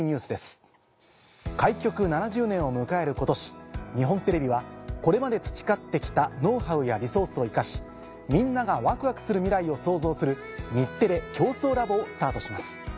開局７０年を迎える今年日本テレビはこれまで培ってきたノウハウやリソースを生かしみんながワクワクする未来を創造する「日テレ共創ラボ」をスタートします。